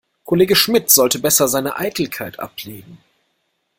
Kollege Schmidt sollte besser seine Eitelkeit ablegen.